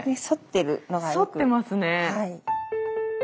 反ってますね。